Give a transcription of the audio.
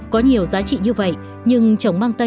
có nhiều giá trị như vậy nhưng trồng mang tây